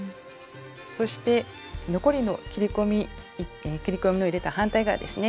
そして残りの切り込みを入れた反対側ですね。